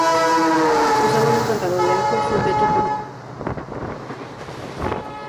Usaban un pantalón largo sujeto por un amplio cinturón.